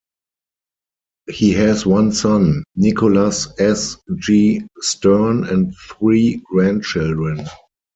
He has one son, Nicholas S. G. Stern, and three grandchildren.